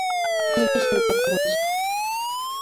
তুমি কীসের কথা বলছ?